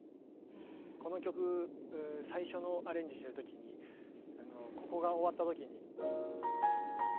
この曲最初のアレンジしてるときにここが終わったときに。